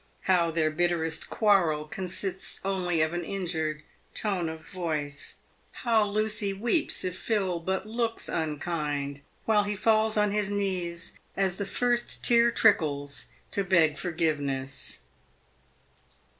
How their bitterest quarrel consists only of an injured tone of voice — how Lucy weeps if Phil but looks unkind, while he falls on his knees, as the first tear trickles, to beg forgiveness.